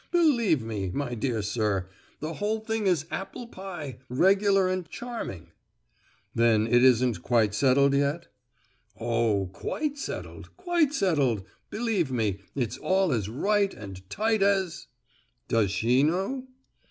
Believe me, my dear sir, the whole thing is apple pie, regular and charming." "Then it isn't quite settled yet?" "Oh, quite settled—quite settled. Believe me, it's all as right and tight as——" "Does she know?"